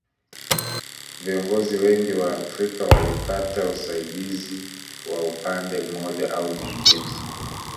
Viongozi wengi wa Afrika walipata usaidizi wa upande mmoja au mwingine